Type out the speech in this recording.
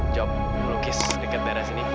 job melukis dekat daerah sini